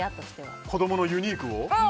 子供のユニークを？